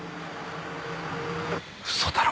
嘘だろ。